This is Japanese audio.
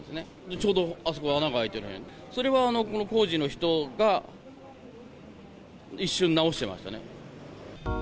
ちょうどあそこ、穴が開いてる辺り、それは工事の人が一瞬、直してましたね。